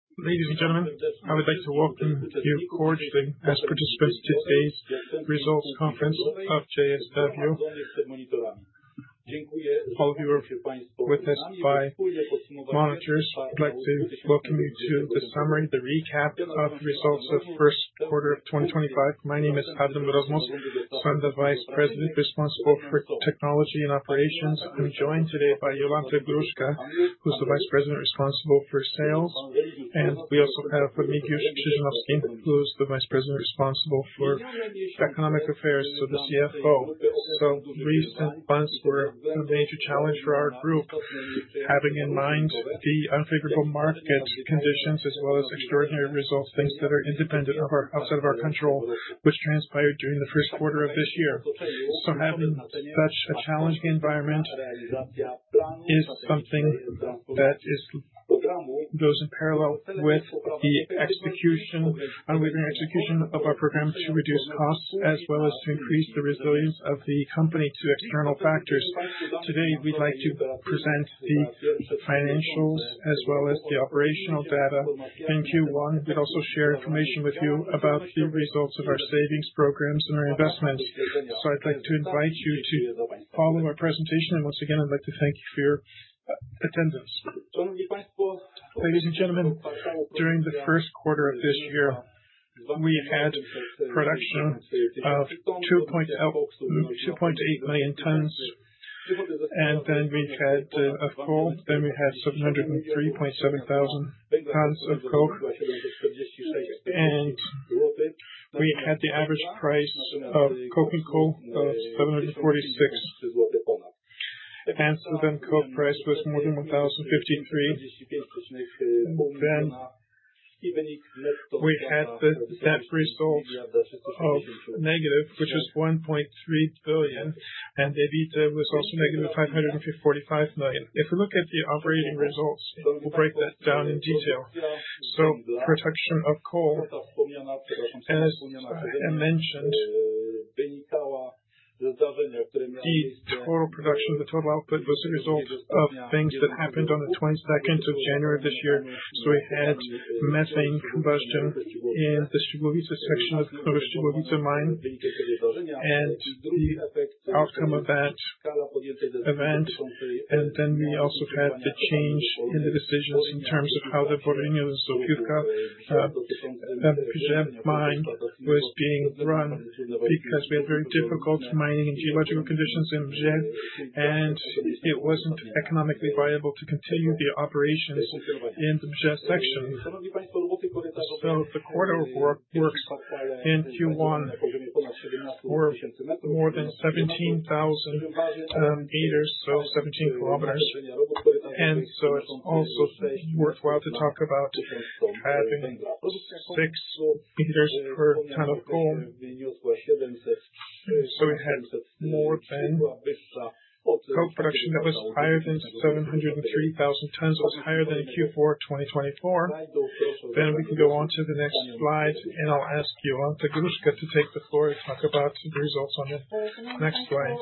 Ladies and gentlemen, I would like to welcome you cordially as participants to today's results conference of JSW. a major challenge for our group, having in mind the unfavorable market conditions as well as extraordinary results, things that are independent of our, outside of our control, which transpired during the Q1 of this year. Having such a challenging environment is something that goes in parallel with the execution, unwavering execution of our program to reduce costs as well as to increase the resilience of the company to external factors. Today, we'd like to present the financials as well as the operational data in Q1. We'd also share information with you about the results of our savings programs and our investments. I'd like to invite you to follow our presentation, and once again, I'd like to thank you for your attendance. Ladies and gentlemen, during the Q1 of this year, we had production of 2.8 million tons, and then we had a coke, then we had 703.7 thousand tons of coke, and we had the average price of coke and coal of 746. And so then coke price was more than 1,053. We had the net result of negative 1.3 billion, and EBITDA was also negative at 545 million. If we look at the operating results, we will break that down in detail. Production of coal, as I mentioned, the total production, the total output was a result of things that happened on the 22nd of January of this year. We had methane combustion in the Szczygłowice section of the Knurów-Szczygłowice mine, and the outcome of that event. We also had the change in the decisions in terms of how the Borynia-Zofiówka-Bzie mine was being run because we had very difficult mining and geological conditions in Bzie, and it was not economically viable to continue the operations in the Bzie section. So, the quarter of work in Q1 were more than 17,000 meters, so 17 kilometers, and so it's also worthwhile to talk about adding six meters per ton of coal. So, we had more than coke production that was higher than 703,000 tons, was higher than Q4 2024. Then we can go on to the next slide, and I'll ask Jolanta Gruszka to take the floor to talk about the results on the next slide.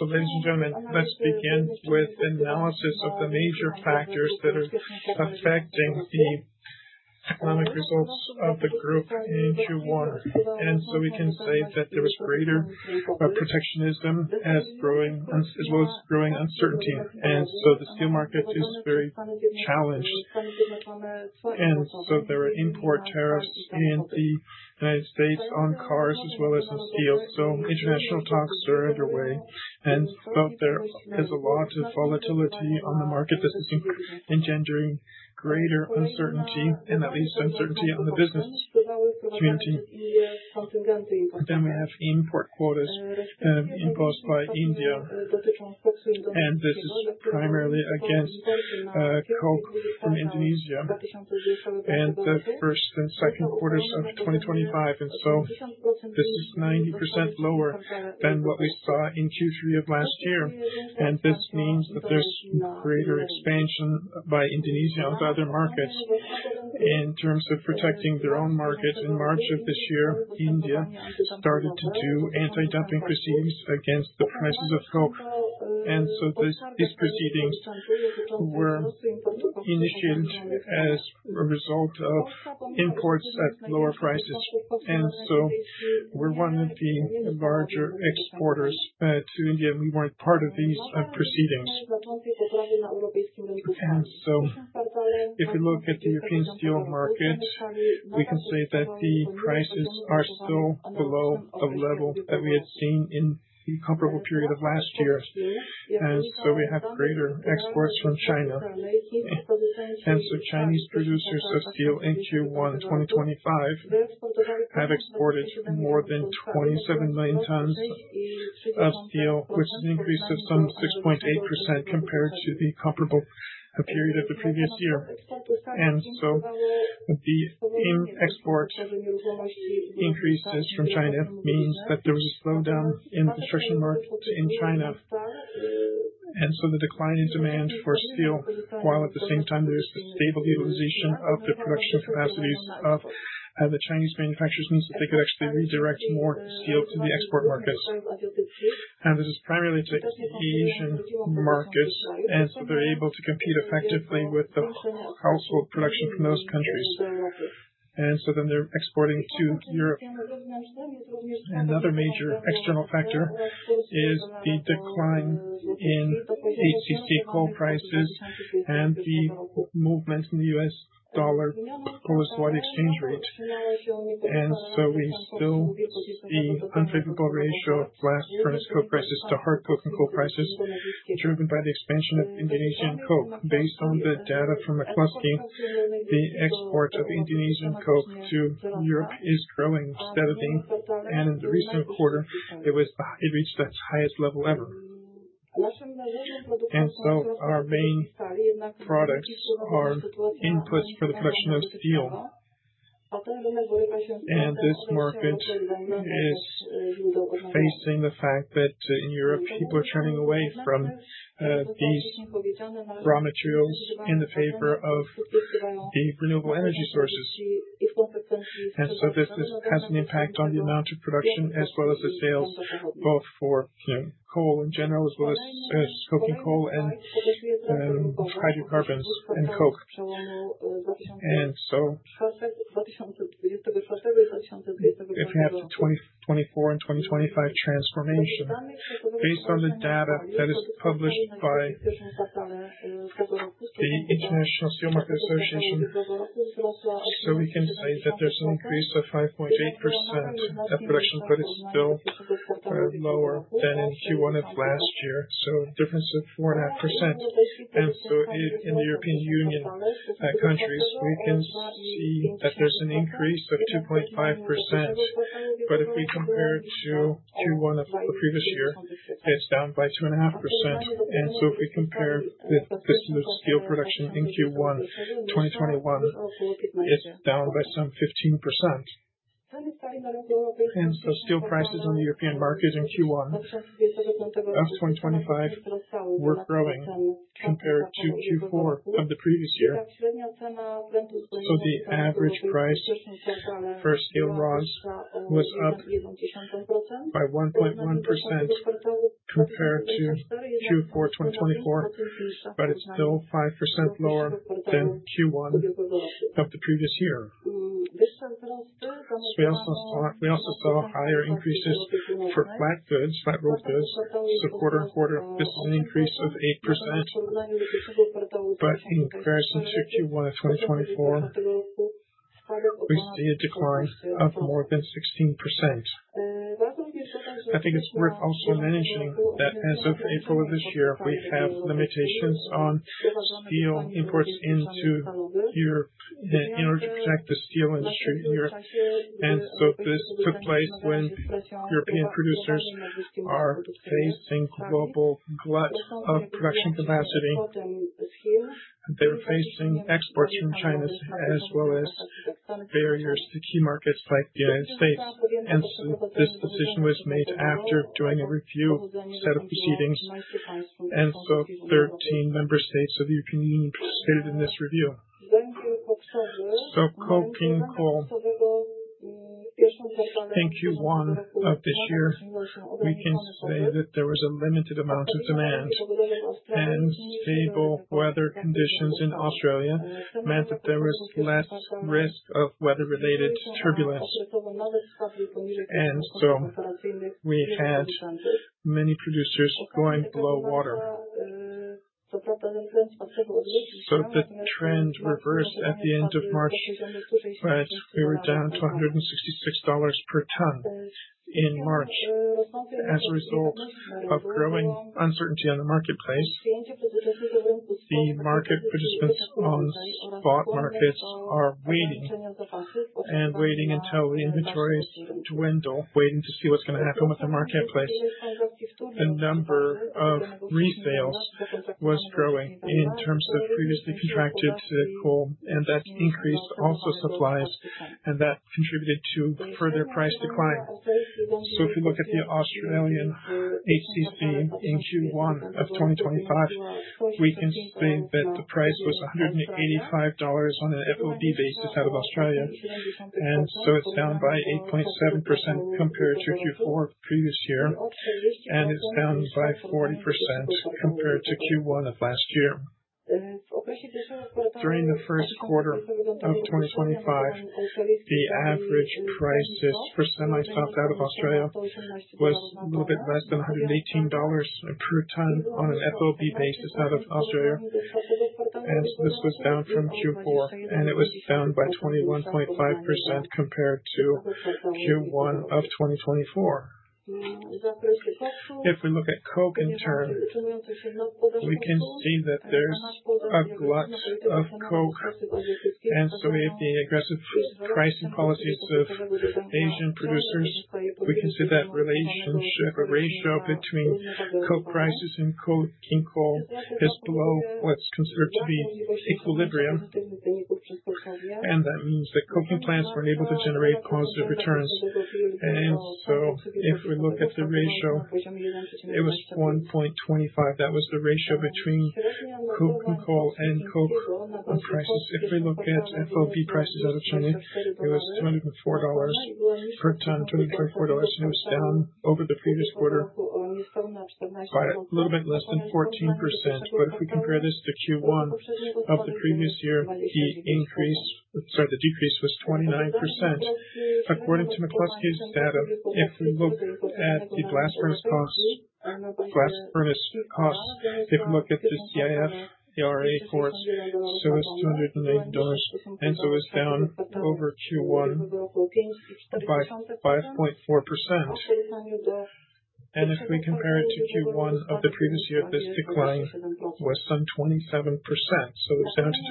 So, ladies and gentlemen, let's begin with analysis of the major factors that are affecting the economic results of the group in Q1. And so we can say that there was greater protectionism that's growing, as well as growing uncertainty, and so the steel market is very challenged. And so there were import tariffs in the United States on cars as well as on steel. So, international talks are underway, and so there is a lot of volatility on the market. This is engendering greater uncertainty and at least uncertainty on the business community. Then we have import quotas imposed by India, and this is primarily against coke from Indonesia and the first and Q2s of 2025. And so this is 90% lower than what we saw in Q3 of last year, and this means that there's greater expansion by Indonesia onto other markets. In terms of protecting their own market, in March of this year, India started to do anti-dumping proceedings against the prices of coke, and so these proceedings were initiated as a result of imports at lower prices. And so we're one of the larger exporters to India, and we weren't part of these proceedings. If we look at the European steel market, we can say that the prices are still below the level that we had seen in the comparable period of last year. We have greater exports from China. Chinese producers of steel in Q1 2025 have exported more than 27 million tons of steel, which is an increase of some 6.8% compared to the comparable period of the previous year. The export increases from China means that there was a slowdown in the construction market in China, and so the decline in demand for steel, while at the same time there's the stable utilization of the production capacities of the Chinese manufacturers, means that they could actually redirect more steel to the export markets. This is primarily to Asian markets. They are able to compete effectively with the household production from those countries. Then they are exporting to Europe. Another major external factor is the decline in HCC coal prices and the movement in the US dollar/USD exchange rate. We still see the unfavorable ratio of blast furnace coke prices to hard coking coal prices driven by the expansion of Indonesian coke. Based on the data from McCloskey, the export of Indonesian coke to Europe is growing steadily, and in the recent quarter, it reached its highest level ever. Our main products are inputs for the production of steel, and this market is facing the fact that in Europe, people are turning away from these raw materials in favor of the renewable energy sources. This has an impact on the amount of production as well as the sales, both for coal in general as well as coking coal and hydrocarbons and coke. If we have the 2024 and 2025 transformation, based on the data that is published by the World Steel Association, we can say that there's an increase of 5.8% of production, but it's still lower than in Q1 of last year, so a difference of 4.5%. In the European Union countries, we can see that there's an increase of 2.5%, but if we compare to Q1 of the previous year, it's down by 2.5%. If we compare the steel production in Q1 2021, it's down by some 15%. Steel prices on the European market in Q1 of 2025 were growing compared to Q4 of the previous year. The average price for steel rods was up by 1.1% compared to Q4 2024, but it's still 5% lower than Q1 of the previous year. We also saw higher increases for flat goods, flat rolled goods, so quarter on quarter, this is an increase of 8%, but in comparison to Q1 of 2024, we see a decline of more than 16%. I think it's worth also mentioning that as of April of this year, we have limitations on steel imports into Europe in order to protect the steel industry in Europe. This took place when European producers are facing global glut of production capacity. They're facing exports from China as well as barriers to key markets like the United States. This decision was made after doing a review set of proceedings, and so 13 member states of the European Union participated in this review. Coking coal came Q1 of this year. We can say that there was a limited amount of demand, and stable weather conditions in Australia meant that there was less risk of weather-related turbulence. We had many producers going below water. The trend reversed at the end of March, but we were down to $166 per ton in March. As a result of growing uncertainty on the marketplace, the market participants on spot markets are waiting and waiting until the inventories dwindle, waiting to see what's going to happen with the marketplace. The number of resales was growing in terms of previously contracted coal, and that increased also supplies, and that contributed to further price decline. If we look at the Australian HCC in Q1 of 2025, we can see that the price was $185 on an FOB basis out of Australia, and so it's down by 8.7% compared to Q4 previous year, and it's down by 40% compared to Q1 of last year. During the Q1 of 2025, the average prices for semi-soft coking coal out of Australia was a little bit less than $118 per ton on an FOB basis out of Australia, and this was down from Q4, and it was down by 21.5% compared to Q1 of 2024. If we look at coke in turn, we can see that there's a glut of coke, and so we have the aggressive pricing policies of Asian producers. We can see that relationship, the ratio between coke prices and coking coal is below what's considered to be equilibrium, and that means that coking plants were able to generate positive returns. And so if we look at the ratio, it was 1.25. That was the ratio between coking coal and coke prices. If we look at FOB prices out of China, it was $204 per ton, $224, and it was down over the previous quarter by a little bit less than 14%. But if we compare this to Q1 of the previous year, the decrease was 29%. According to McCloskey's data, if we look at the blast furnace coke, if we look at the CIF, the ARA reports, so it's $208, and so it's down over Q1 by 5.4%. If we compare it to Q1 of the previous year, this decline was some 27%, so it's down to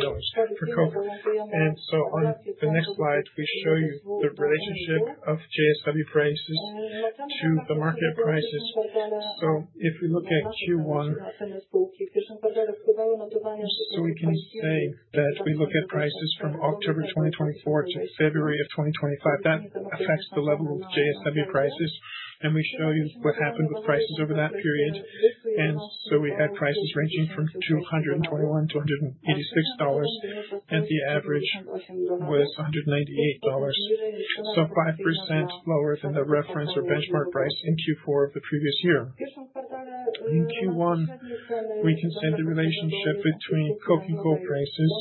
$260 for coke. On the next slide, we show you the relationship of JSW prices to the market prices. If we look at Q1, so we can say that we look at prices from October 2024 to February of 2025, that affects the level of JSW prices, and we show you what happened with prices over that period. We had prices ranging from $221-$186, and the average was $198, so 5% lower than the reference or benchmark price in Q4 of the previous year. In Q1, we can see the relationship between coking coal prices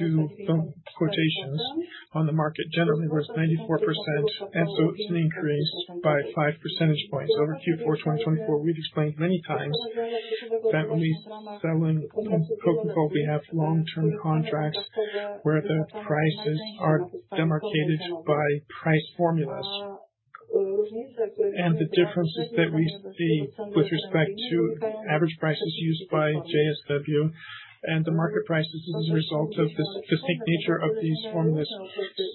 to quotations on the market generally was 94%, and so it's an increase by 5 percentage points over Q4 2024. We've explained many times that when we sell coking coal, we have long-term contracts where the prices are demarcated by price formulas, and the difference is that we see with respect to average prices used by JSW and the market prices is a result of the distinct nature of these formulas.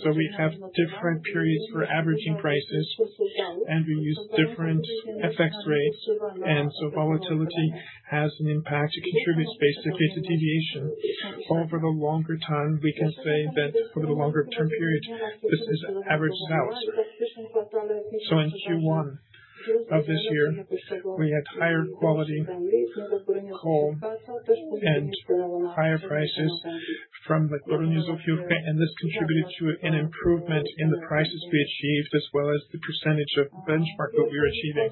So we have different periods for averaging prices, and we use different FX rates, and so volatility has an impact. It contributes basically to deviation. Over the longer time, we can say that over the longer term period, this averages out, so in Q1 of this year, we had higher quality coal and higher prices from the good news from Zofiówka, and this contributed to an improvement in the prices we achieved as well as the percentage of benchmark that we were achieving.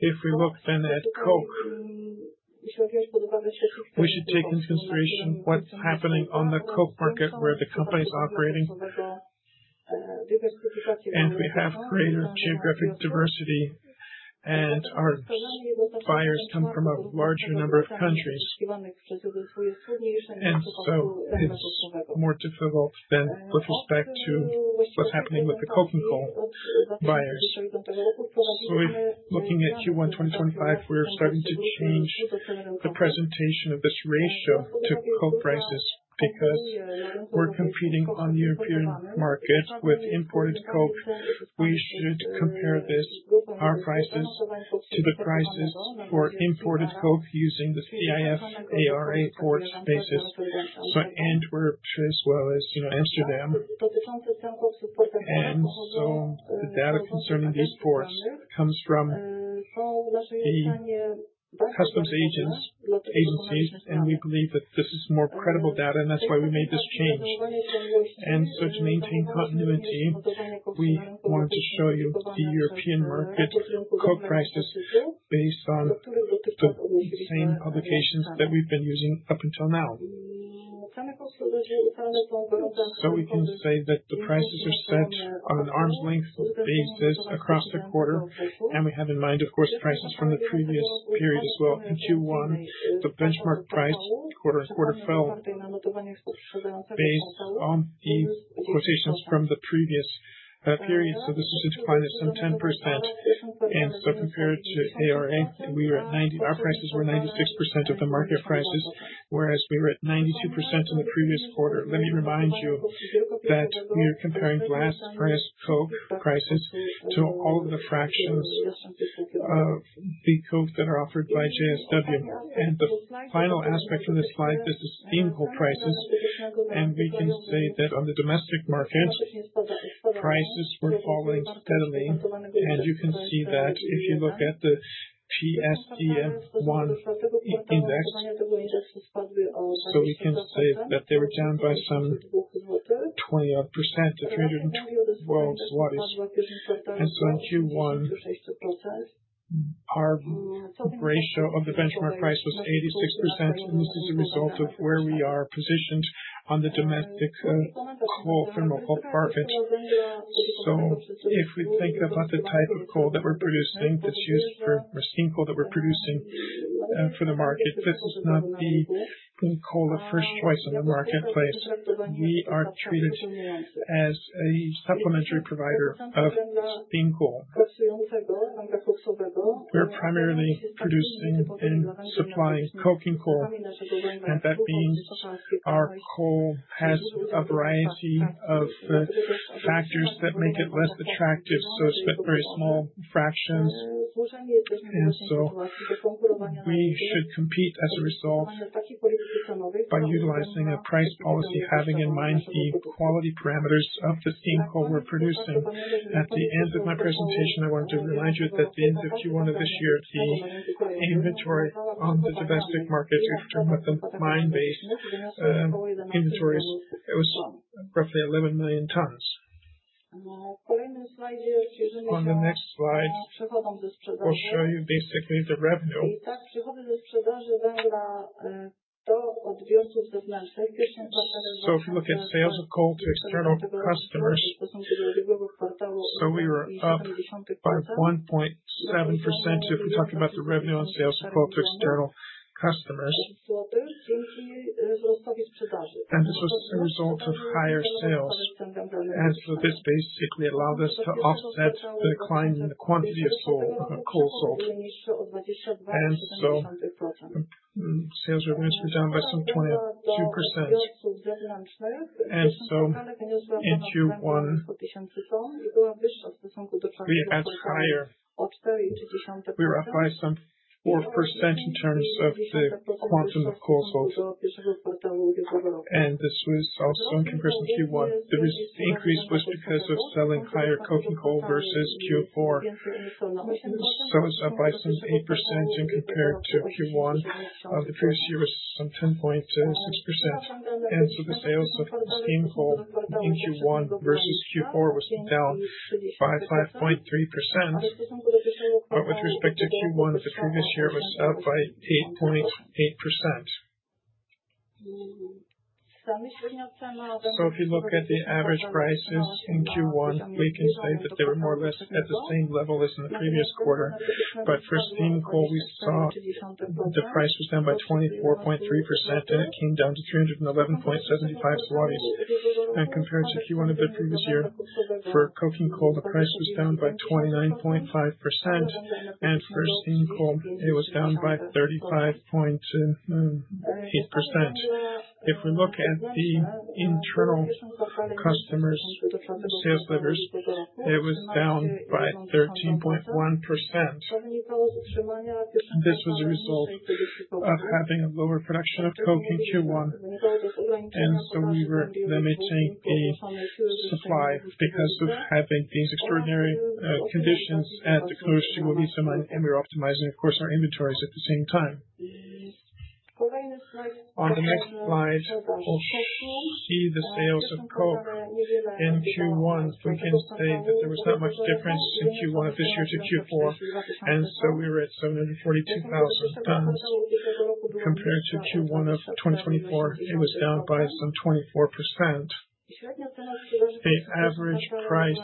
If we look then at coke, we should take into consideration what's happening on the coke market where the company is operating, and we have greater geographic diversity, and our buyers come from a larger number of countries, and so it's more difficult than with respect to what's happening with the coking coal buyers, so if looking at Q1 2025, we're starting to change the presentation of this ratio to coke prices because we're competing on the European market with imported coke. We should compare our prices to the prices for imported coke using the CIF ARA ports basis, so Antwerp as well as Amsterdam, and so the data concerning these ports comes from the customs agencies, and we believe that this is more credible data, and that's why we made this change. To maintain continuity, we want to show you the European market coke prices based on the same publications that we've been using up until now. So we can say that the prices are set on an arm's length basis across the quarter, and we have in mind, of course, prices from the previous period as well. In Q1, the benchmark price quarter on quarter fell based on the quotations from the previous period. So this is a decline of some 10%. And so compared to ARA, we were at 90%, our prices were 96% of the market prices, whereas we were at 92% in the previous quarter. Let me remind you that we are comparing blast furnace coke prices to all of the fractions of the coke that are offered by JSW. And the final aspect of this slide, this is steam coal prices, and we can say that on the domestic market, prices were falling steadily, and you can see that if you look at the PSCMI 1 index, so we can say that they were down by some 20-odd% to PLN 312. And so in Q1, our ratio of the benchmark price was 86%, and this is a result of where we are positioned on the domestic coal thermal coal market. So if we think about the type of coal that we're producing, that's used for steam coal that we're producing for the market, this is not the coal of first choice on the marketplace. We are treated as a supplementary provider of steam coal. We're primarily producing and supplying coking coal, and that means our coal has a variety of factors that make it less attractive, so it's split very small fractions. And so we should compete as a result by utilizing a price policy, having in mind the quality parameters of the steam coal we're producing. At the end of my presentation, I want to remind you that the end of Q1 of this year, the inventory on the domestic market, we've done with the mine-based inventories, it was roughly 11 million tons. On the next slide, we'll show you basically the revenue of the. So if you look at sales of coal to external customers, so we were up by 1.7% if we're talking about the revenue on sales of coal to external customers. This was a result of higher sales, and so this basically allowed us to offset the decline in the quantity of coal sold. Sales revenues were down by some 22%. In Q1, we were up by some 4% in terms of the quantum of coal sold. This was also in comparison to Q1. The increase was because of selling higher coking coal versus Q4. It's up by some 8% as compared to Q1 of the previous year, which was some 10.6%. The sales of steam coal in Q1 versus Q4 was down by 5.3%, but with respect to Q1 of the previous year, it was up by 8.8%. If you look at the average prices in Q1, we can say that they were more or less at the same level as in the previous quarter. But for steam coal, we saw the price was down by 24.3%, and it came down to 311.75 zlotys. And compared to Q1 of the previous year, for coking coal, the price was down by 29.5%, and for steam coal, it was down by 35.8%. If we look at the internal customers, sales levels, it was down by 13.1%. This was a result of having a lower production of coke in Q1, and so we were limiting the supply because of having these extraordinary conditions at the Knurów-Szczygłowice mines, and we were optimizing, of course, our inventories at the same time. On the next slide, we'll see the sales of coke in Q1. We can say that there was not much difference in Q1 of this year to Q4, and so we were at 742,000 tons. Compared to Q1 of 2024, it was down by some 24%. The average price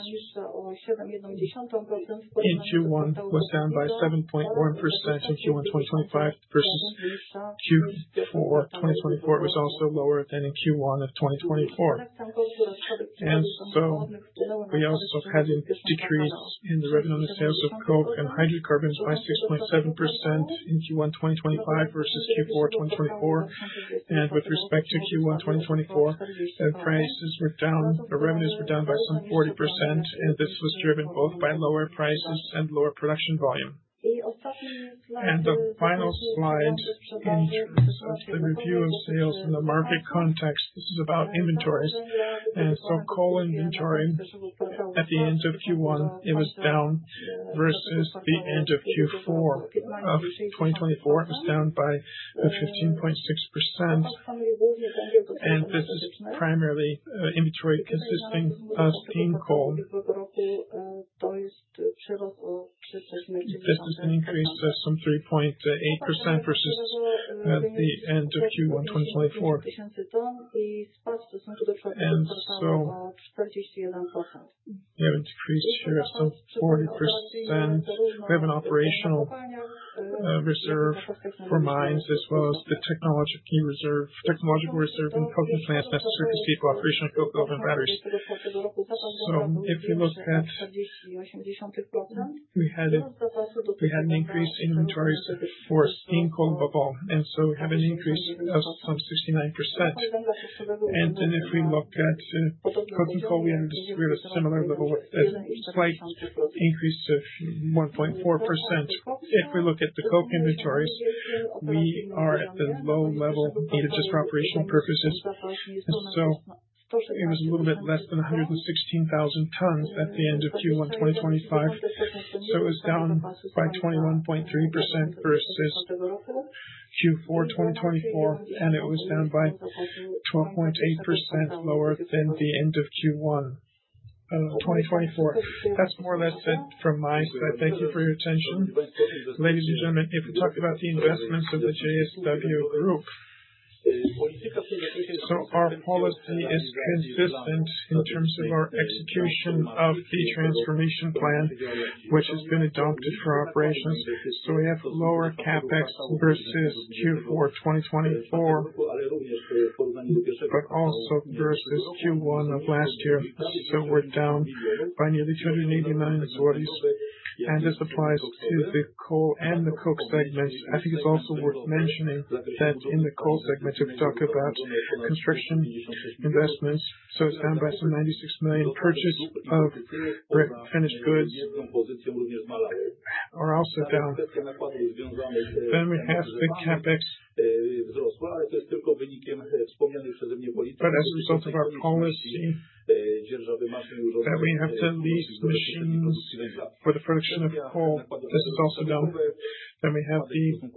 in Q1 was down by 7.1% in Q1 2025 versus Q4 2024. It was also lower than in Q1 of 2024. And so we also had a decrease in the revenue on the sales of coke and hydrocarbons by 6.7% in Q1 2025 versus Q4 2024. And with respect to Q1 2024, the revenues were down by some 40%, and this was driven both by lower prices and lower production volume. And the final slide in terms of the review of sales in the market context, this is about inventories. And so coal inventory at the end of Q1, it was down versus the end of Q4 of 2024. It was down by 15.6%, and this is primarily inventory consisting of steam coal. This is an increase of some 3.8% versus the end of Q1 2024. And so we have a decrease here of some 40%. We have an operational reserve for mines as well as the technological reserve in coking plants necessary for steam coal operation and coke oven batteries, so if you look at, we had an increase in inventories for steam coal above all, and so we have an increase of some 69%, and then if we look at coking coal, we have a similar level with a slight increase of 1.4%. If we look at the coke inventories, we are at the low level needed just for operational purposes, and so it was a little bit less than 116,000 tons at the end of Q1 2025, so it was down by 21.3% versus Q4 2024, and it was down by 12.8% lower than the end of Q1 2024. That's more or less it from my side. Thank you for your attention. Ladies and gentlemen, if we talk about the investments of the JSW Group, so our policy is consistent in terms of our execution of the transformation plan, which has been adopted for operations, so we have lower CapEx versus Q4 2024, but also versus Q1 of last year, so we're down by nearly 280 million, and this applies to the coal and the coke segments. I think it's also worth mentioning that in the coal segment, if we talk about construction investments, so it's down by some 96 million purchase of finished goods, or also down, then we have the CapEx that we have to lease machines for the production of coal. This is also down, then we have the requirement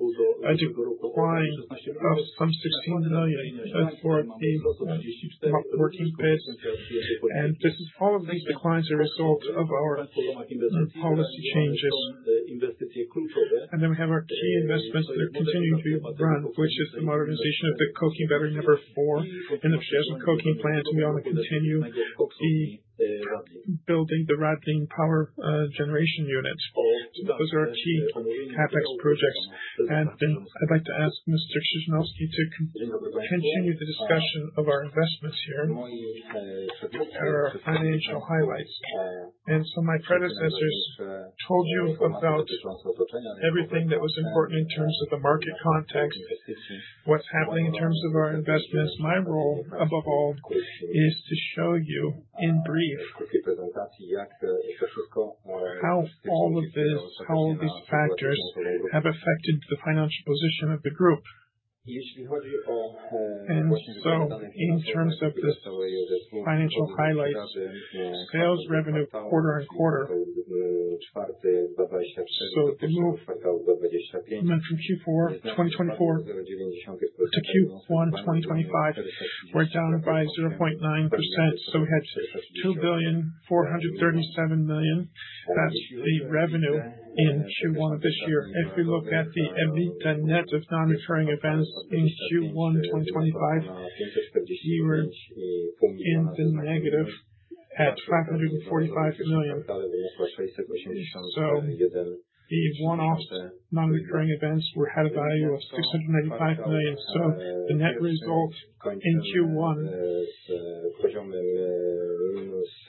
of some PLN 16 million for the working capital, and all of these declines are a result of our policy changes. Then we have our key investments that are continuing to run, which is the modernization of the coking battery number four and the Jas-Mos coking plant. We want to continue the building, the Radlin power generation units. Those are our key CapEx projects. I'd like to ask Mr. Krzyżanowski to continue the discussion of our investments here and our financial highlights. My predecessors told you about everything that was important in terms of the market context, what's happening in terms of our investments. My role, above all, is to show you in brief how all of this, how all these factors have affected the financial position of the group. In terms of the financial highlights, sales revenue quarter on quarter. The move from Q4 2024 to Q1 2025 were down by 0.9%. We had 2,437 million. That's the revenue in Q1 of this year. If we look at the net of non-recurring events in Q1 2025, we were in the negative at 545 million. So the one-off non-recurring events had a value of 695 million. So the net result in Q1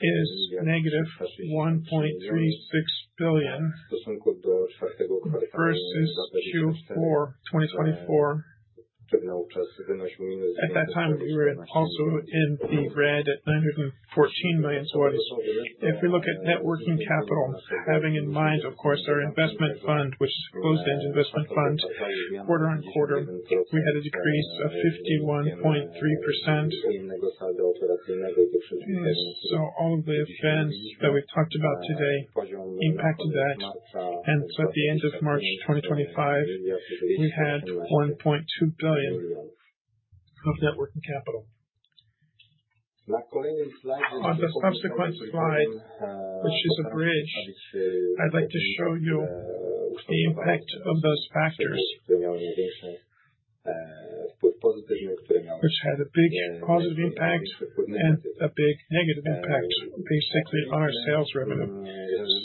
is negative 1.36 billion versus Q4 2024. At that time, we were also in the red at PLN 914 million swatties. If we look at working capital, having in mind, of course, our investment fund, which is a closed-end investment fund, quarter on quarter, we had a decrease of 51.3%. And so all of the events that we talked about today impacted that. And so at the end of March 2025, we had 1.2 billion of working capital. On the subsequent slide, which is a bridge, I'd like to show you the impact of those factors, which had a big positive impact and a big negative impact basically on our sales revenue.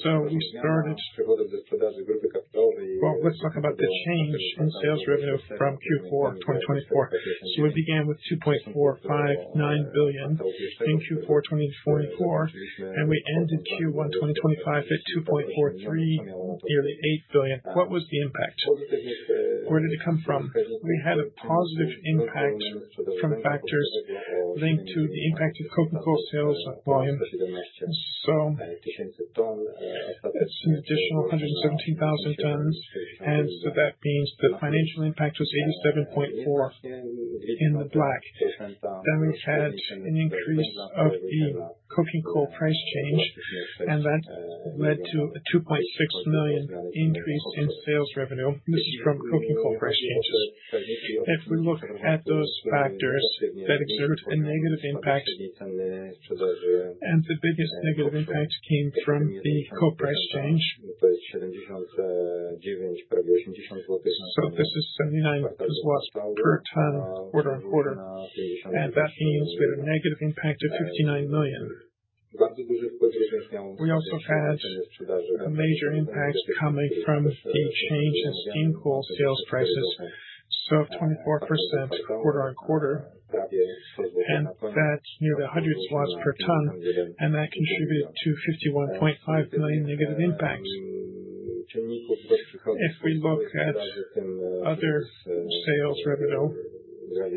So we started, well, let's talk about the change in sales revenue from Q4 2024. So we began with 2.459 billion in Q4 2024, and we ended Q1 2025 at 2.438 billion. What was the impact? Where did it come from? We had a positive impact from factors linked to the impact of coking coal sales volume. So it's an additional 117,000 tons. And so that means the financial impact was 87.4 in the black. Then we had an increase of the coking coal price change, and that led to a 2.6 million increase in sales revenue. This is from coking coal price changes. If we look at those factors that exert a negative impact, and the biggest negative impact came from the coal price change, so this is 79 per ton, quarter on quarter, and that means we had a negative impact of 59 million. We also had a major impact coming from the change in steam coal sales prices, so of 24% quarter on quarter, and that's nearly 100 per ton, and that contributed to 51.5 million negative impact. If we look at other sales revenue, and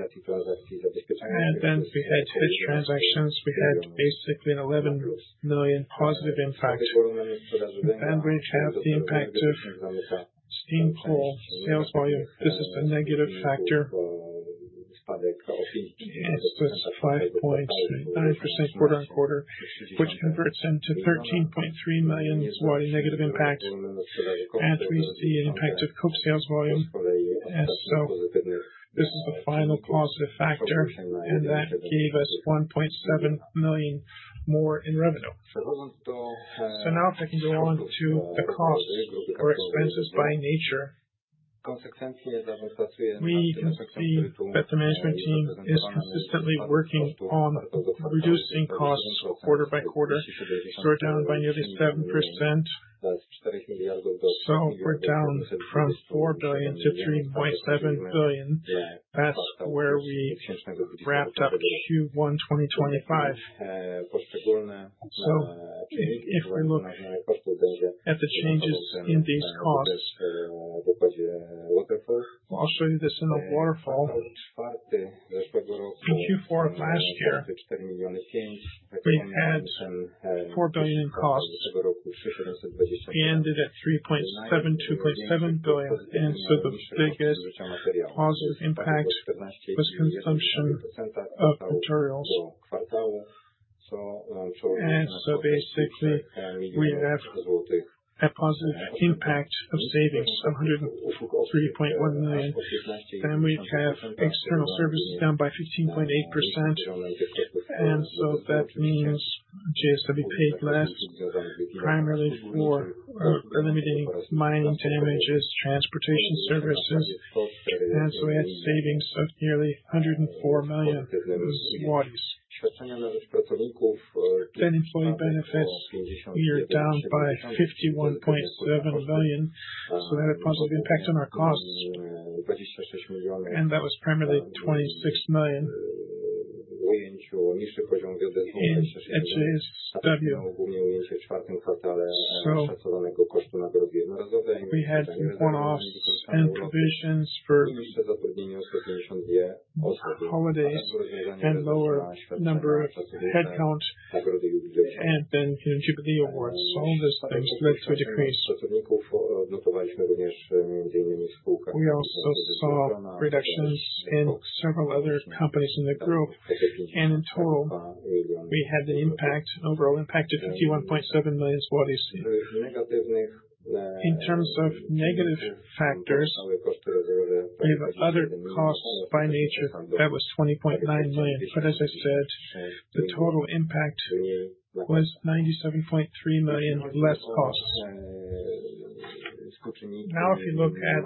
then we had hedge transactions, we had basically an 11 million positive impact, then we have the impact of steam coal sales volume. This is the negative factor. It's just 5.9% quarter on quarter, which converts into 13.3 million negative impact, and we see an impact of coke sales volume. This is the final positive factor, and that gave us 1.7 million more in revenue. Now if I can go on to the costs or expenses by nature, we can see that the management team is consistently working on reducing costs quarter by quarter. We're down by nearly 7%. We're down from 4 billion to 3.7 billion. That's where we wrapped up Q1 2025. If we look at the changes in these costs, I'll show you this in a waterfall. In Q4 of last year, we had 4 billion in costs. We ended at 3.72 billion. The biggest positive impact was consumption of materials. Basically we have a positive impact of savings, 103.1 million. Then we have external services down by 15.8%. That means JSW paid less primarily for eliminating mining damages, transportation services. And so we had savings of nearly 104 million. Then employee benefits, we are down by 51.7 million. So we had a positive impact on our costs, and that was primarily 26 million at JSW. So we had one-offs and provisions for holidays and lower number of headcount and then Jubilee awards. So all of these things led to a decrease. We also saw reductions in several other companies in the group. And in total, we had the overall impact of 51.7 million. In terms of negative factors, we have other costs by nature. That was 20.9 million. But as I said, the total impact was 97.3 million less costs. Now if you look at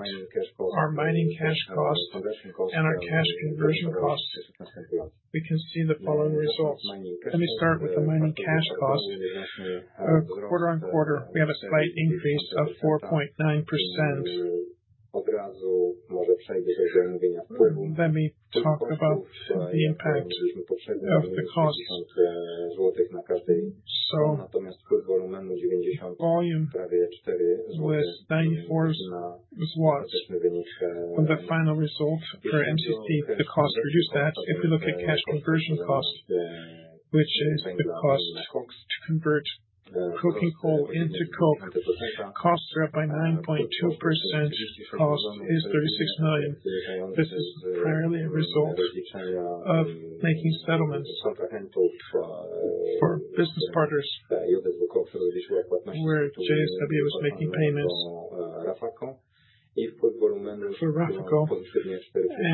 our mining cash costs and our cash conversion costs, we can see the following results. Let me start with the mining cash cost. Quarter on quarter, we have a slight increase of 4.9%. Let me talk about the impact of the costs. So volume was PLN 94. On the final result for MCC, the cost reduced that. If we look at cash conversion cost, which is the cost to convert coking coal into coke, costs are up by 9.2%. Cost is 36 million. This is primarily a result of making settlements for business partners where JSW was making payments for RAFAKO.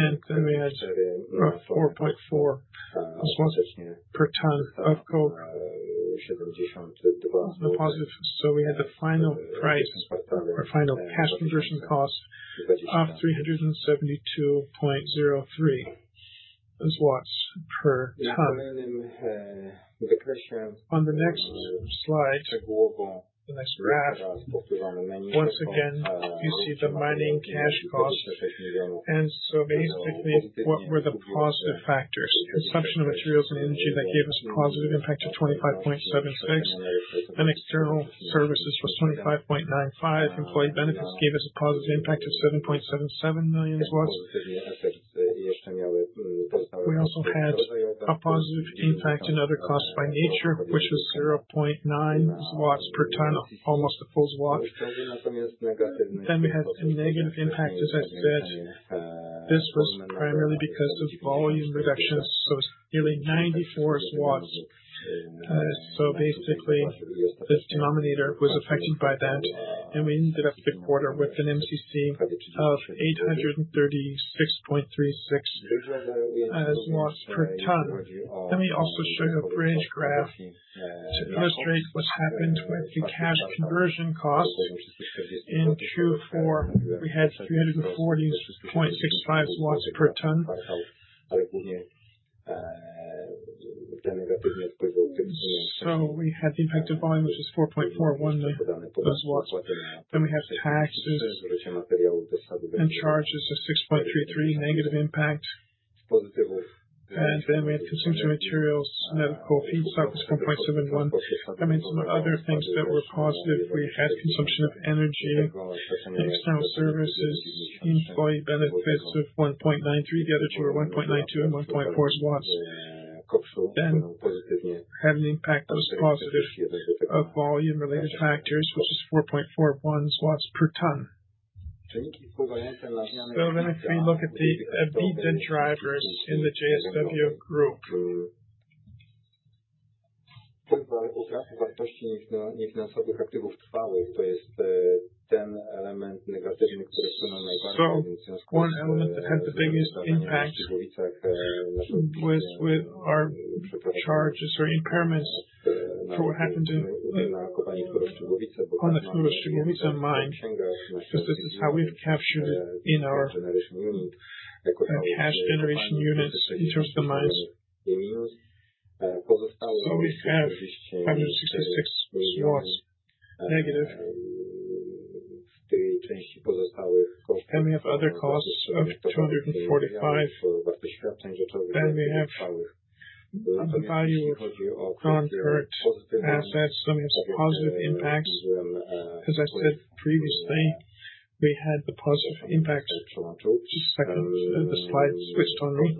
And then we had 4.4 per ton of coke. So we had the final price, our final cash conversion cost of PLN 372.03 per ton. On the next slide, the next graph, once again, you see the mining cash cost. And so basically, what were the positive factors? Consumption of materials and energy that gave us a positive impact of 25.76. Then external services was 25.95. Employee benefits gave us a positive impact of 7.77 million. We also had a positive impact in other costs by nature, which was 0.9 PLN per ton, almost a full zloty. We had a negative impact, as I said. This was primarily because of volume reductions, so it's nearly 94 PLN. Basically, the denominator was affected by that. We ended up the quarter with an MCC of 836.36 PLN per ton. We also show you a bridge graph to illustrate what's happened with the cash conversion costs. In Q4, we had 340.65 PLN per ton. We had the impact of volume, which was 4.41 million PLN. We have taxes and charges of 6.33 PLN, negative impact. We had consumption of materials, medical fees, that was 1.71 PLN. That means some other things that were positive. We had consumption of energy and external services, employee benefits of 1.93 PLN. The other two were 1.92 and 1.4. Then we had an impact that was positive of volume-related factors, which is 4.41 per ton. So then if we look at the drivers in the JSW group, one element that had the biggest impact was charges or impairments for what happened in the mine. Because this is how we've captured it in our cash generation units in terms of the mines. So we have 566 negative. Then we have other costs of 245. Then we have value of concrete assets. Then we have some positive impacts. As I said previously, we had the positive impact. The second, the slide switched on me.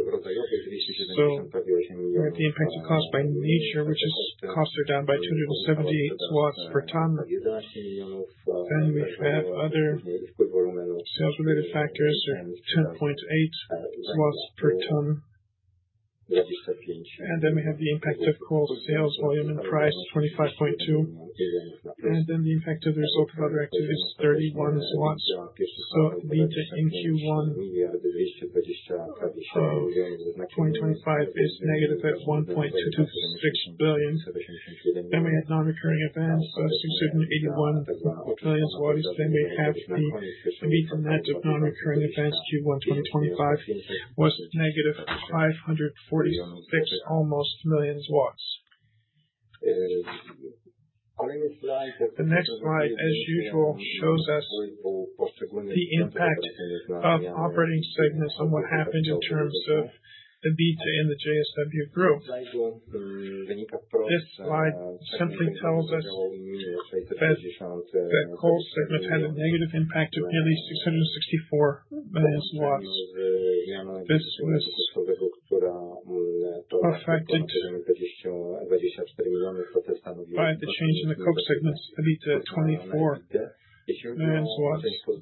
So we had the impact of cost by nature, which is costs are down by 278 per ton. Then we have other sales-related factors, 10.8 per ton. We have the impact of coal sales volume and price, 25.2 million. The impact of the result of other activities is 31 million. In Q1 2025, it is negative at 1.226 billion. We had non-recurring events, 681 million. The net of non-recurring events Q1 2025 was negative almost 546 million. The next slide, as usual, shows us the impact of operating segments on what happened in terms of the P&L and the JSW group. This slide simply tells us that the coal segment had a negative impact of nearly 664 million. This was affected by the change in the coke segment, P&L at 24 million.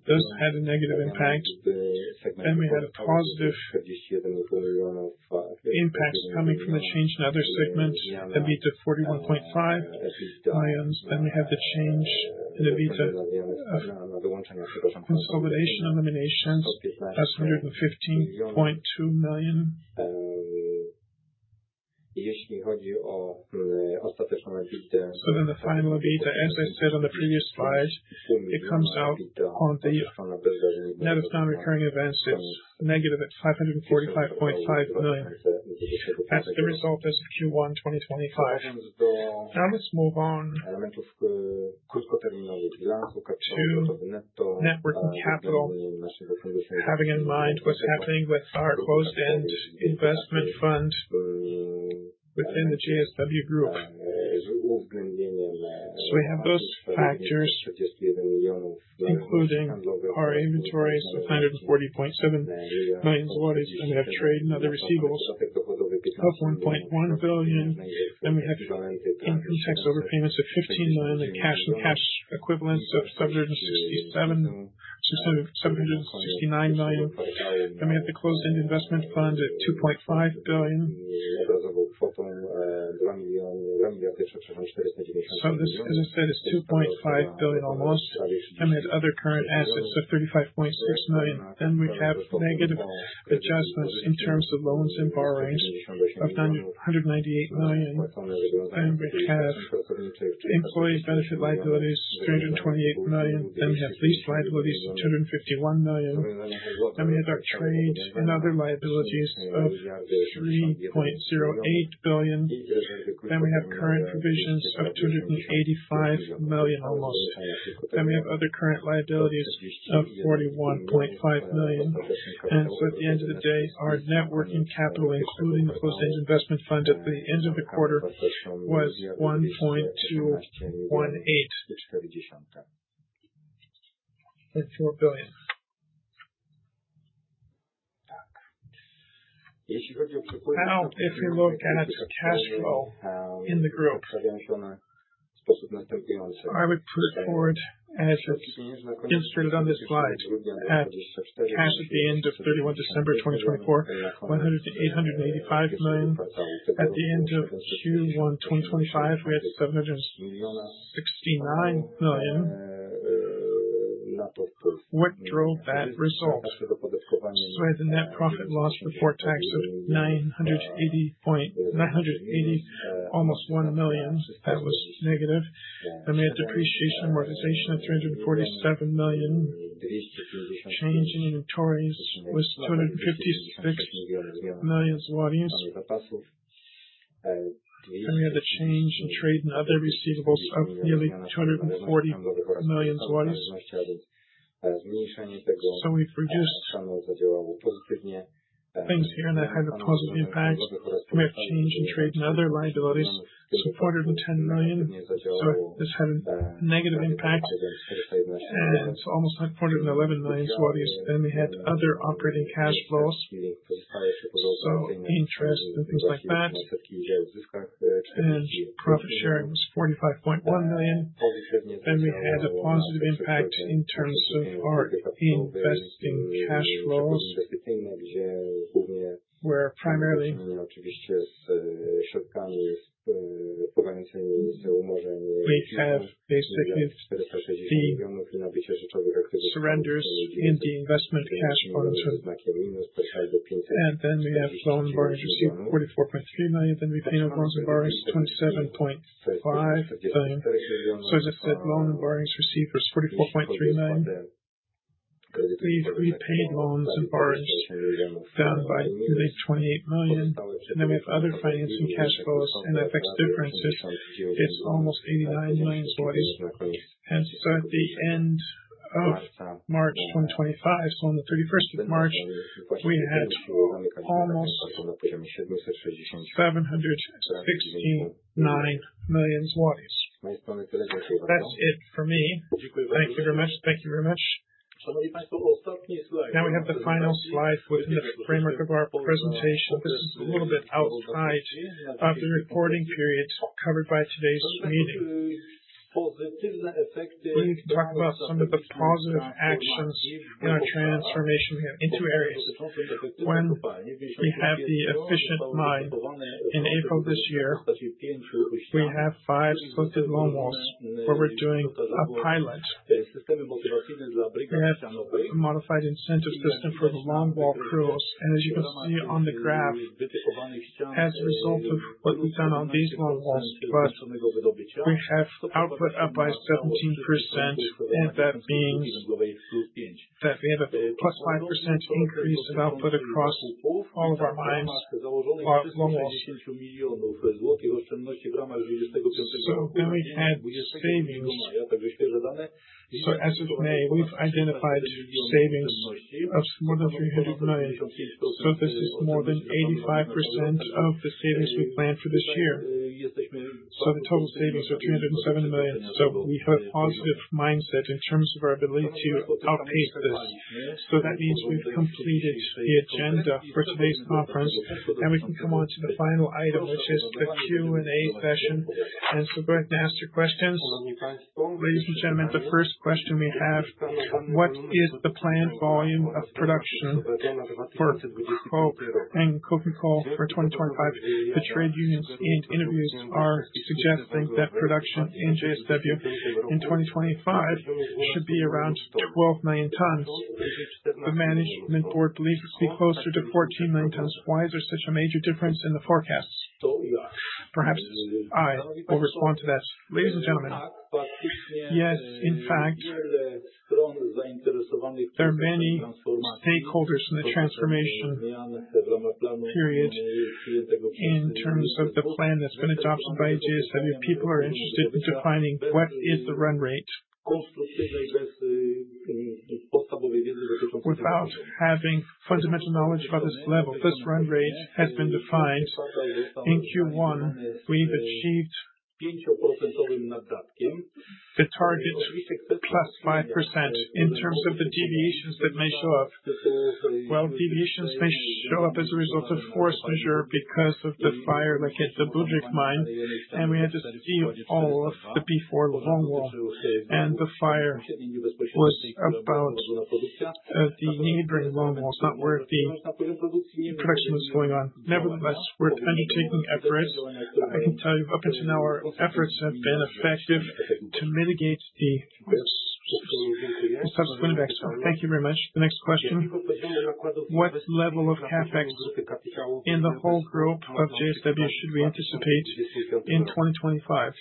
This had a negative impact. We had a positive impact coming from the change in other segments, P&L of 41.5 million. Then we had the change in the EBITDA of consolidation eliminations, plus PLN 115.2 million. So then the final EBITDA, as I said on the previous slide, it comes out on the net of non-recurring events. It's negative at 545.5 million. That's the result as of Q1 2025. Now let's move on to working capital, having in mind what's happening with our closed-end investment fund within the JSW group. So we have those factors, including our inventories of 140.7 million zlotys swatties. Then we have trade and other receivables of 1.1 billion. Then we have income tax overpayments of 15 million, and cash and cash equivalents of 769 million. Then we have the closed-end investment fund at 2.5 billion. So this, as I said, is 2.5 billion almost. Then we had other current assets of 35.6 million. Then we have negative adjustments in terms of loans and borrowings of 198 million. Then we have employee benefit liabilities, 328 million. Then we have lease liabilities, 251 million. Then we have our trade and other liabilities of 3.08 billion. Then we have current provisions of 285 million, almost. Then we have other current liabilities of 41.5 million. And so at the end of the day, our working capital, including the closed-end investment fund at the end of the quarter, was PLN 1.218. Now, if we look at cash flow in the group, I would put forward, as it's demonstrated on this slide, cash at the end of 31 December 2024, 1.885 billion. At the end of Q1 2025, we had 769 million. What drove that result? So we had the net profit loss report tax of 980 million, almost 1 billion. That was negative. Then we had depreciation amortization of 347 million. Change in inventories was 256 million. We had the change in trade and other receivables of nearly 240 million PLN. So we've reduced things here, and that had a positive impact. We have change in trade and other liabilities of 410 million PLN. So this had a negative impact. It's almost like 411 million PLN. We had other operating cash flows, so interest and things like that. Profit sharing was 45.1 million PLN. We had a positive impact in terms of our investing cash flows, where primarily we have basically FIZ surrenders in the investment cash fund. We have loan and borrowings received 44.3 million PLN. We paid out loans and borrowings 27.5 million PLN. As I said, loan and borrowings received was 44.3 million PLN. We've repaid loans and borrowings down by nearly 28 million PLN. We have other financing cash flows and FX differences. It's almost 89 million. And so at the end of March 2025, so on the 31 March 2025, we had almost 769 million. That's it for me. Thank you very much. Thank you very much. Now we have the final slide within the framework of our presentation. This is a little bit outside of the reporting period covered by today's meeting. We need to talk about some of the positive actions in our transformation. We have two areas. When we have the Efficient Mine in April this year, we have five selected longwalls where we're doing a pilot. We have a modified incentive system for the long wall crews. And as you can see on the graph, as a result of what we've done on these longwalls, we have output up by 17%. That means that we have a plus 5% increase of output across all of our mines, our longwalls. Then we had savings. As of May, we've identified savings of more than 300 million. This is more than 85% of the savings we planned for this year. The total savings are 307 million. We have a positive mindset in terms of our ability to outpace this. That means we've completed the agenda for today's conference. Now we can come on to the final item, which is the Q&A session. So go ahead and ask your questions. Ladies and gentlemen, the first question we have: What is the planned volume of production for coke and coking coal for 2025? The trade unions and interviews are suggesting that production in JSW in 2025 should be around 12 million tons. The management board believes it could be closer to 14 million tons. Why is there such a major difference in the forecasts? Perhaps I will respond to that. Ladies and gentlemen, yes, in fact, there are many stakeholders in the transformation period in terms of the plan that's been adopted by JSW. People are interested in defining what is the run rate without having fundamental knowledge about this level. This run rate has been defined in Q1. We've achieved the target plus 5% in terms of the deviations that may show up. Deviations may show up as a result of force majeure because of the fire, like at the Budryk mine. We had to seal all of the B4 longwall. The fire was about the neighboring longwall. Not where the production was going on. Nevertheless, we're undertaking efforts. I can tell you up until now, our efforts have been effective to mitigate the subsequent impacts. Thank you very much. The next question: What level of CAPEX in the whole group of JSW should we anticipate in 2025?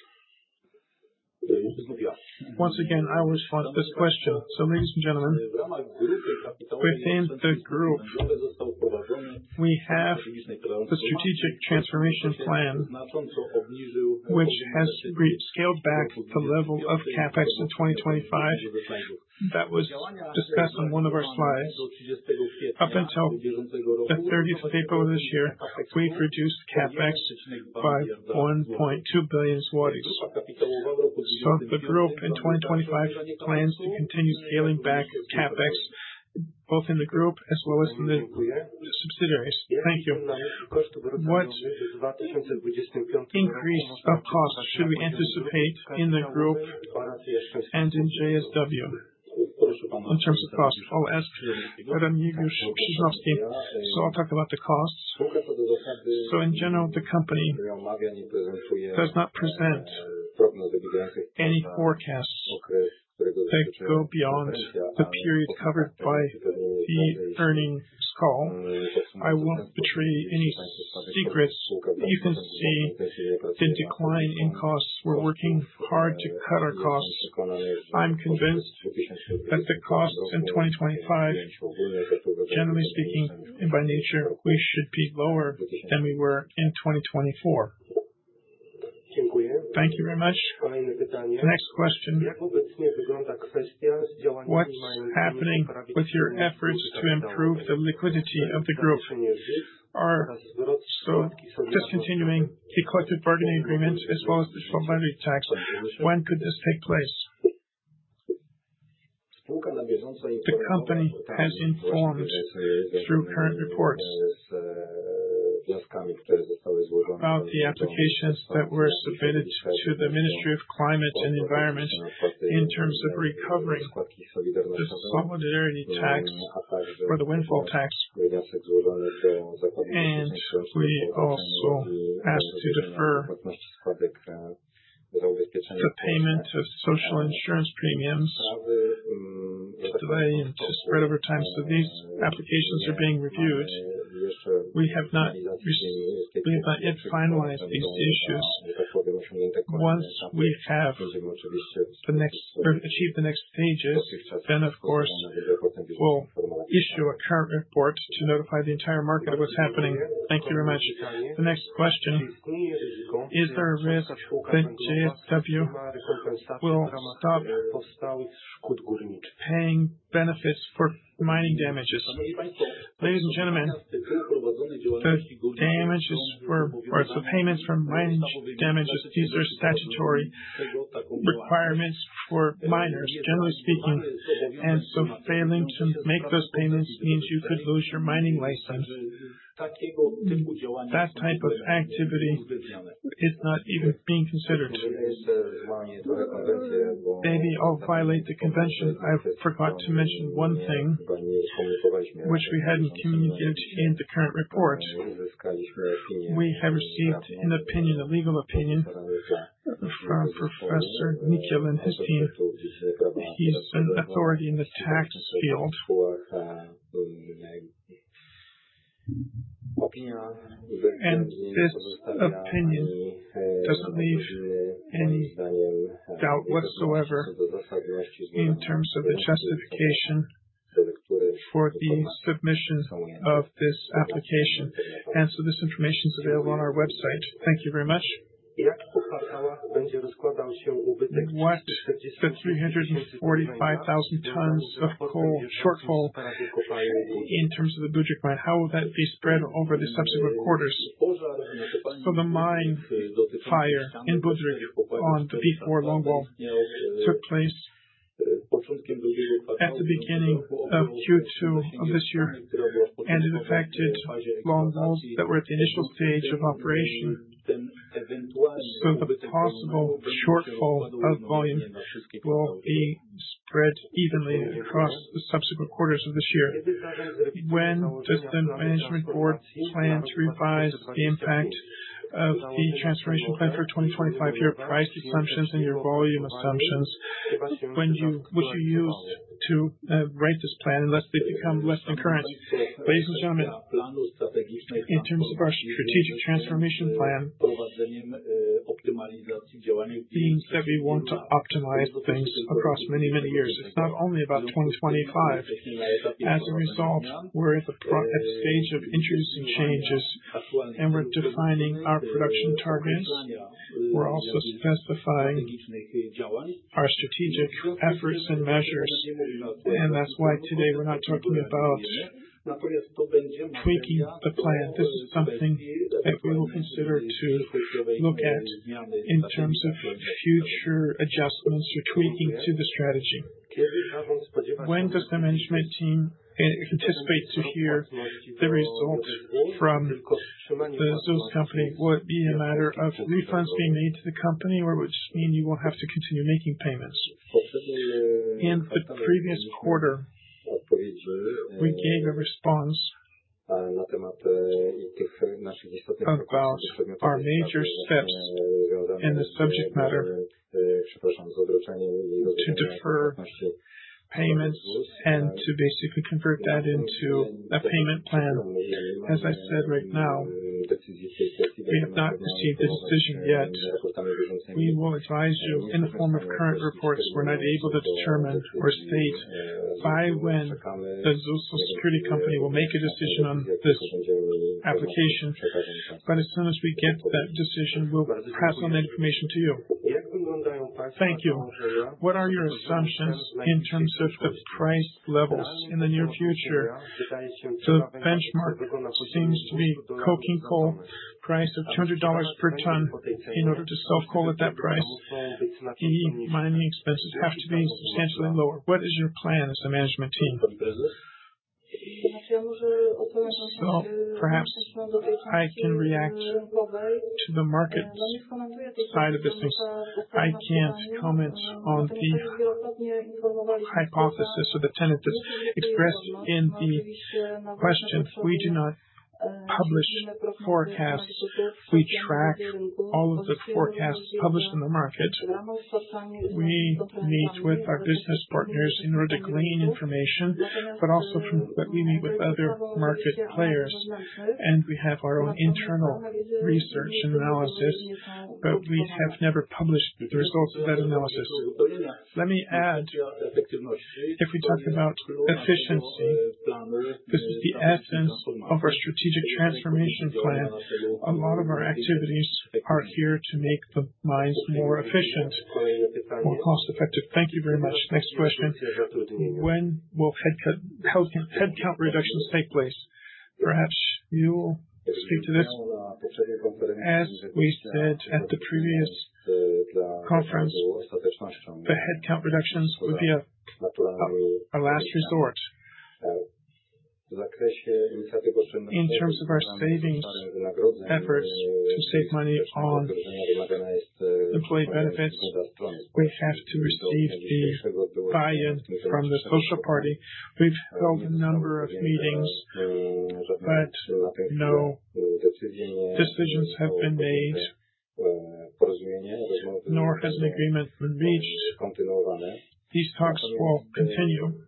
Once again, I will respond to this question. So ladies and gentlemen, within the group, we have the strategic transformation plan, which has scaled back the level of CAPEX in 2025. That was discussed on one of our slides. Up until the 30th of April of this year, we've reduced CAPEX by 1.2 billion zlotys. So the group in 2025 plans to continue scaling back CAPEX, both in the group as well as in the subsidiaries. Thank you. What increase of cost should we anticipate in the group and in JSW in terms of cost? I'll ask Remigiusz Krzyżanowski. So I'll talk about the costs. So in general, the company does not present any forecasts that go beyond the period covered by the earnings. Last call. I won't betray any secrets. You can see the decline in costs. We're working hard to cut our costs. I'm convinced that the costs in 2025, generally speaking, and by nature, we should be lower than we were in 2024. Thank you very much. The next question: What's happening with your efforts to improve the liquidity of the group? So discontinuing the collective bargaining agreement as well as the solidarity tax, when could this take place? The company has informed through current reports about the applications that were submitted to the Ministry of Climate and Environment in terms of recovering the solidarity tax for the windfall tax. And we also asked to defer the payment of social insurance premiums delayed into spread over time. These applications are being reviewed. We have not recently finalized these issues. Once we have achieved the next stages, then, of course, we'll issue a current report to notify the entire market of what's happening. Thank you very much. The next question: Is there a risk that JSW will stop paying benefits for mining damages? Ladies and gentlemen, the damages for payments for mining damages, these are statutory requirements for miners, generally speaking. And so failing to make those payments means you could lose your mining license. That type of activity is not even being considered. Maybe I'll violate the convention. I forgot to mention one thing, which we hadn't communicated in the current report. We have received an opinion, a legal opinion, from Professor Nykiel and his team. He's an authority in the tax field. This opinion doesn't leave any doubt whatsoever in terms of the justification for the submission of this application. This information is available on our website. Thank you very much. What the 345,000 tons of coal shortfall in terms of the Budryk mine, how will that be spread over the subsequent quarters? The mine fire in Budryk on the B4 long wall took place at the beginning of Q2 of this year. It affected long walls that were at the initial stage of operation. The possible shortfall of volume will be spread evenly across the subsequent quarters of this year. When does the management board plan to revise the impact of the transformation plan for 2025? Your price assumptions and your volume assumptions, what you used to write this plan, unless they become less conservative. Ladies and gentlemen, in terms of our strategic transformation plan. Means that we want to optimize things across many, many years, if not only about 2025. As a result, we're at the stage of introducing changes, and we're defining our production targets. We're also specifying our strategic efforts and measures, and that's why today we're not talking about tweaking the plan. This is something that we will consider to look at in terms of future adjustments or tweaking to the strategy. When does the management team anticipate to hear the result from the ZUS company? Would it be a matter of refunds being made to the company, or would it just mean you won't have to continue making payments? In the previous quarter, we gave a response about our major steps in the subject matter to defer payments and to basically convert that into a payment plan. As I said right now, we have not received the decision yet. We will advise you in the form of current reports. We're not able to determine or state by when the ZUS or security company will make a decision on this application. But as soon as we get that decision, we'll pass on that information to you. Thank you. What are your assumptions in terms of the price levels in the near future? The benchmark seems to be coking coal price of $200 per ton in order to sell coal at that price. Any mining expenses have to be substantially lower. What is your plan as a management team? So perhaps I can react to the market side of this thing. I can't comment on the hypothesis or the tenet that's expressed in the question. We do not publish forecasts. We track all of the forecasts published in the market. We meet with our business partners in order to glean information, but also from that we meet with other market players. And we have our own internal research and analysis, but we have never published the results of that analysis. Let me add, if we talk about efficiency, this is the essence of our strategic transformation plan. A lot of our activities are here to make the mines more efficient, more cost-effective. Thank you very much. Next question: When will headcount reductions take place? Perhaps you will speak to this. As we said at the previous conference, the headcount reductions would be our last resort. In terms of our savings efforts to save money on employee benefits, we have to receive the buy-in from the Social Party. We've held a number of meetings, but no decisions have been made, nor has an agreement been reached. These talks will continue.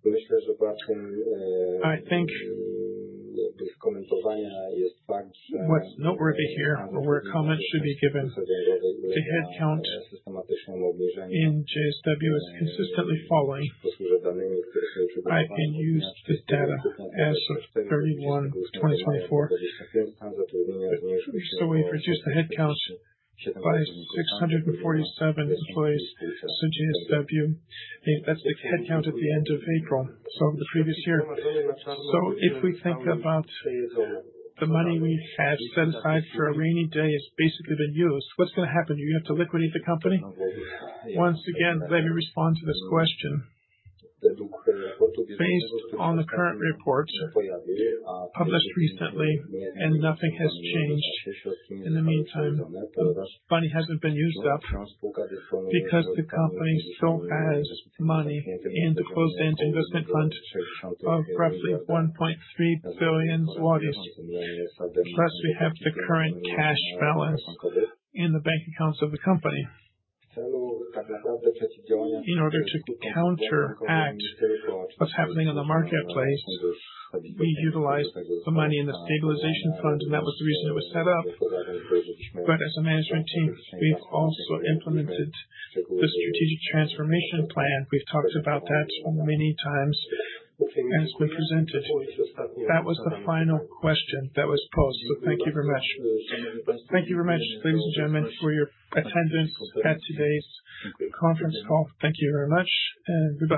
I think what's noteworthy here or where comments should be given is the headcount in JSW is consistently falling. I've been using this data as of 31, 2024. So we've reduced the headcount by 647 employees for JSW. That's the headcount at the end of April, so of the previous year. So if we think about the money we have set aside for a rainy day has basically been used, what's going to happen? You have to liquidate the company? Once again, let me respond to this question. Based on the current reports published recently, and nothing has changed in the meantime, the money hasn't been used up because the company still has money in the closed-end investment fund of roughly 1.3 billion zlotys. Plus, we have the current cash balance in the bank accounts of the company. In order to counteract what's happening in the marketplace, we utilize the money in the stabilization fund, and that was the reason it was set up. But as a management team, we've also implemented the strategic transformation plan. We've talked about that many times, and it's been presented. That was the final question that was posed. So thank you very much. Thank you very much, ladies and gentlemen, for your attendance at today's conference call. Thank you very much, and goodbye.